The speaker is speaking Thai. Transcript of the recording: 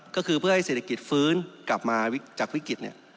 ก็คือเพื่อให้เศรษฐกิจฟื้นกลับมาจากวิกฤต